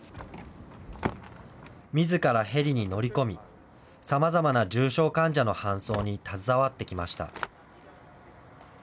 みずからヘリに乗り込み、さまざまな重症患者の搬送に携わってきました。